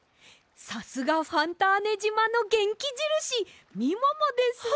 さすがファンターネじまのげんきじるしみももですね。